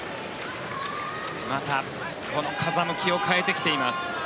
またこの風向きを変えてきています。